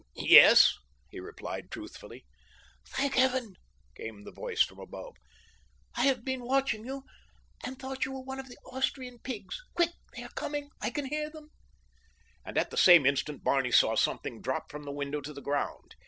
"Yes," he replied truthfully. "Thank Heaven!" came the voice from above. "I have been watching you, and thought you one of the Austrian pigs. Quick! They are coming—I can hear them;" and at the same instant Barney saw something drop from the window to the ground.